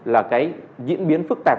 là cái diễn biến phức tạp